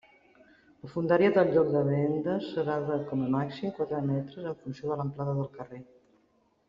La fondària del lloc de venda serà de, com a màxim, quatre metres en funció de l'amplada del carrer.